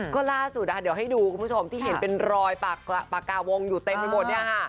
ก็ล่าสุดเดี๋ยวให้ดูคุณผู้ชมที่เห็นเป็นรอยปากกาวงอยู่เต็มไปหมดเนี่ยค่ะ